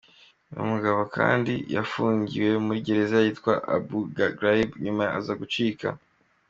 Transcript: Uyu mugabo kandi yafungiwe muri gereza yitwa Abu Ghraib nyuma aza gucika.